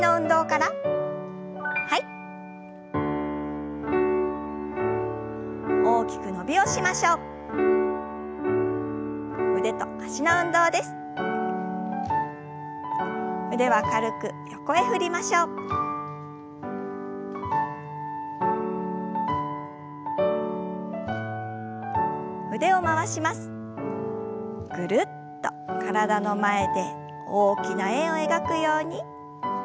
ぐるっと体の前で大きな円を描くように。